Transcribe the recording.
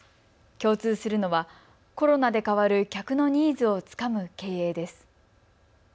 共通するのはコロナで変わる客のニーズをつかむ経営です。